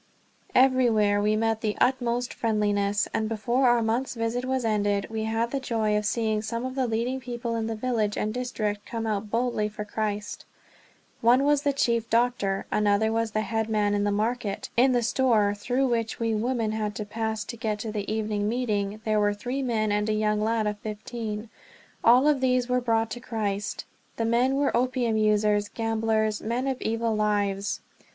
Everywhere we met with the utmost friendliness, and before our month's visit was ended we had the joy of seeing some of the leading people in the village and district come out boldly for Christ. One was the chief doctor; another was the head man in the market. In the store, through which we women had to pass to get to the evening meeting, there were three men and a young lad of fifteen; all of these were brought to Christ. The men were opium users, gamblers, men of evil lives.